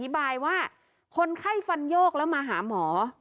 ว่าคนไข้ฟันโยกแล้วมาหาหมอ